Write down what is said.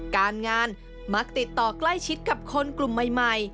การงานมักติดต่อใกล้ชิดกับคนกลุ่มใหม่